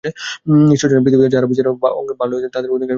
ঈশ্বর জানেন, পৃথিবীতে যাহারা বিচারের ভার লইয়াছে তাহারাই অধিকাংশ কৃপাপাত্র।